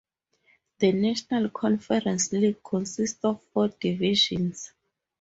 The National Conference League consists of four divisions.